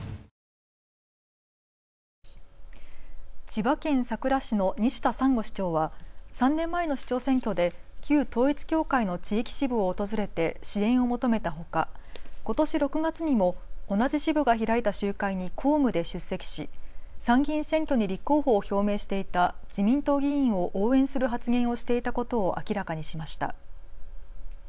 千葉県佐倉市の西田三十五市長は３年前の市長選挙で旧統一教会の地域支部を訪れて支援を求めたほかことし６月にも同じ支部が開いた集会に公務で出席し、参議院選挙に立候補を表明していた自民党議員を応援する発言をしていたことを明らかにしました。